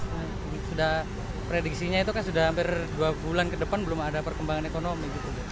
sudah prediksinya itu kan sudah hampir dua bulan ke depan belum ada perkembangan ekonomi